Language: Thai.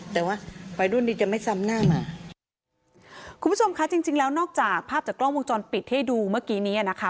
แต่ว่าวัยรุ่นนี้จะไม่ซ้ำหน้ามาคุณผู้ชมคะจริงจริงแล้วนอกจากภาพจากกล้องวงจรปิดให้ดูเมื่อกี้นี้อ่ะนะคะ